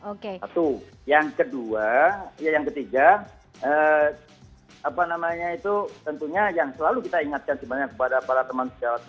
oke itu yang kedua yang ketiga apa namanya itu tentunya yang selalu kita ingatkan kepada para